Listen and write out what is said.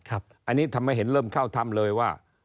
อันนี้ทำให้เห็นเริ่มเข้าถ้ำเลยว่า